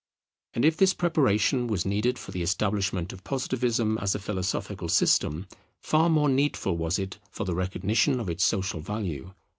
And if this preparation was needed for the establishment of Positivism as a philosophical system, far more needful was it for the recognition of its social value.